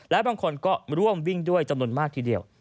และบางคนก็ร่วมวิ่งด้วยจำนวนมากทีเดียว